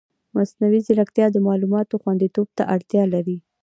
مصنوعي ځیرکتیا د معلوماتو خوندیتوب ته اړتیا لري.